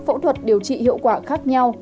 phẫu thuật điều trị hiệu quả khác nhau